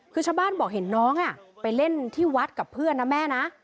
คือชาวบ้านบอกเห็นน้องไปเล่นที่วัดกับเพื่อนนะแม่นะ